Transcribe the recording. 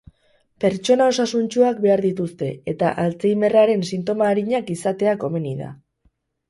Pertsona osasuntsuak behar dituzte eta alzheimerraren sintoma arinak izatea komeni da.